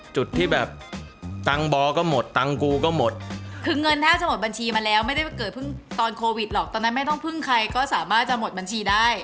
จุดที่แบบตังค์บอก็หมดตังค์กูก็หมดคือเงินแทบจะหมดบัญชีมาแล้วไม่ได้เกิดเพิ่งตอนโควิดหรอกตอนนั้นไม่ต้องพึ่งใครก็สามารถจะหมดบัญชีได้